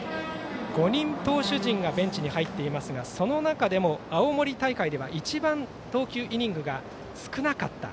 ５人、投手陣がベンチに入っていますがその中でも青森大会では一番投球イニングが少なかった。